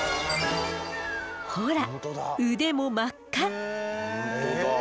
ほら腕も真っ赤。